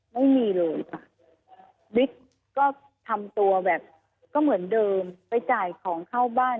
ไม่มีเลยค่ะบิ๊กก็ทำตัวแบบก็เหมือนเดิมไปจ่ายของเข้าบ้าน